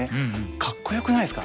かっこよくないですか？